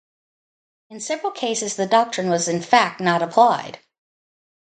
In several cases, the doctrine was in fact not applied.